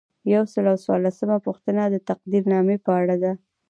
یو سل او څوارلسمه پوښتنه د تقدیرنامې په اړه ده.